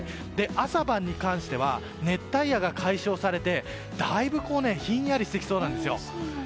朝晩に関しては熱帯夜が解消されてだいぶひんやりしてきそうなんですよ。